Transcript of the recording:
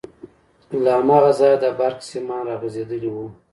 له هماغه ځايه د برق سيمان راغځېدلي وو.